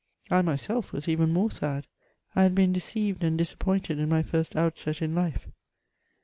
I myself was even more sad; I had been deceived and disappointed in my first outset in life.